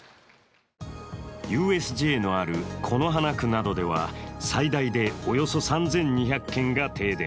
ＵＳＪのある此花区などでは最大でおよそ３２００軒が停電。